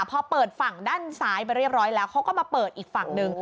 พอเปิดฝั่งด้านซ้ายไปเรียบร้อยแล้วเขาก็มาเปิดอีกฝั่งหนึ่ง